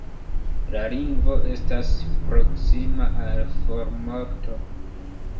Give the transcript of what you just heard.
La lingvo estas proksima al formorto.